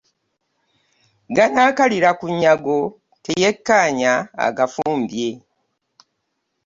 Ganakalira ku nyaggo teyekkanya agafumbye .